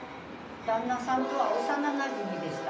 旦那さんとは幼なじみでした。